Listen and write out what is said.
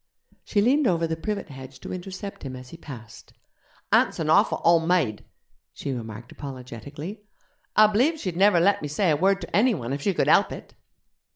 She leaned over the privet hedge to intercept him as he passed. 'Aunt's an awful ole maid,' she remarked apologetically; 'I b'lieve she'd never let me say a word to enny one if she could help it.'